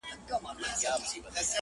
وخت پر ما ژاړي وخت له ما سره خبرې کوي,